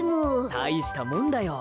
たいしたもんだよ。